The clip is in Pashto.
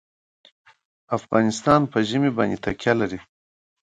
افغانستان په ژمی باندې تکیه لري.